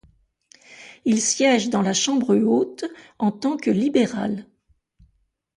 Il siège dans la chambre haute en tant que libéral.